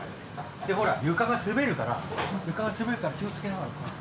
でほら床が滑るから床が滑るから気をつけながら。